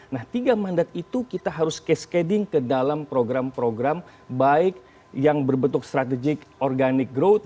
nah tiga mandat itu kita harus cascading ke dalam program program baik yang berbentuk strategik organic growth